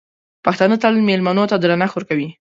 پښتانه تل مېلمنو ته درنښت ورکوي.